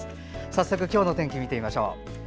早速、今日の天気見てみましょう。